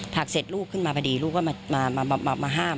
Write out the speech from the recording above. เสร็จลูกขึ้นมาพอดีลูกก็มาห้าม